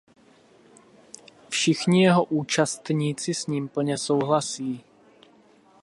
Všichni jeho "účastníci" s ním plně souhlasí.